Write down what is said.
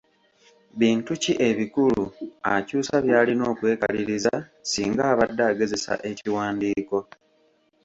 Bintu ki ebikulu akyusa by’alina okwekaliriza singa abadde agezesa ekiwandiiko?